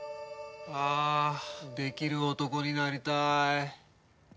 ああできる男になりたい！